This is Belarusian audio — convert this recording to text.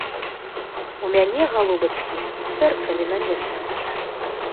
У мяне, галубачкі, сэрца не на месцы!